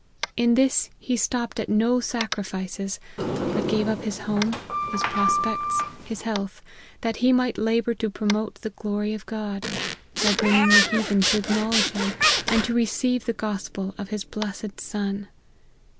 In this he stopped at no sacrifices, but gave up his home, his prospects, his health, that he might labour to promote the glory of God, by bringing the heathen to acknowledge him, and to receive the gospel of his blessed Son.